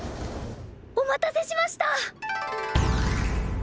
お待たせしました！